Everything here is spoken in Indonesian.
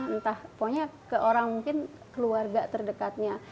entah ke orang keluarga terdekatnya